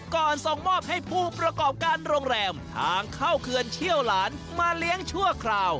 ส่งมอบให้ผู้ประกอบการโรงแรมทางเข้าเขื่อนเชี่ยวหลานมาเลี้ยงชั่วคราว